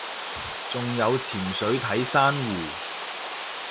仲有潛水睇珊瑚